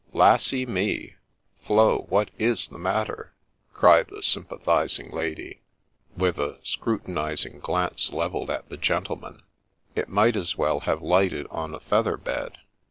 ' Lassy me ! Flo, what is the matter ?' cried the sympathiz ing lady, with a scrutinizing glance levelled at the gentleman. It might as well have lighted on a feather bed.